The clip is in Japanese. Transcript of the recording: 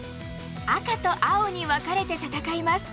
赤と青に分かれて戦います。